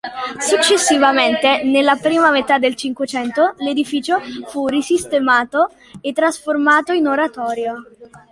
Successivamente nella prima metà del Cinquecento l'edificio fu risistemato e trasformato in oratorio.